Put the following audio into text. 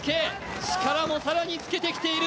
力も更につけてきている。